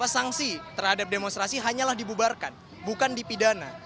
sanksi terhadap demonstrasi hanyalah dibubarkan bukan dipidana